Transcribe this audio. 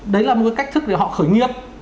đấy là một cái cách thức để họ khởi nghiệp